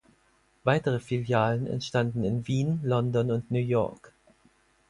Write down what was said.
Weitere Filialen entstanden in Wien, London und New York.